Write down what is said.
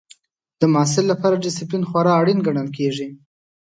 د محصل لپاره ډسپلین خورا اړین ګڼل کېږي.